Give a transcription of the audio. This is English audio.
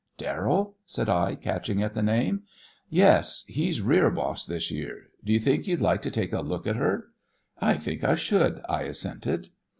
"Darrell?" said I, catching at the name. "Yes. He's rear boss this year. Do you think you'd like to take a look at her?" "I think I should," I assented.